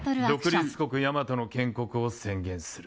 独立国やまとの建国を宣言する。